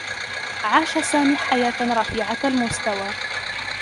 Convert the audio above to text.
عاش سامي حياة رفيعة المستوى.